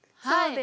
はい！